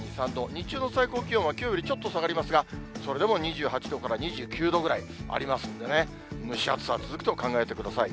日中の最高気温は、きょうよりちょっと下がりますが、それでも２８度から２９度ぐらいありますんでね、蒸し暑さは続くと考えてください。